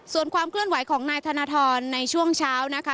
ส่วนความเคลื่อนไหวของนายธนทรในช่วงเช้านะคะ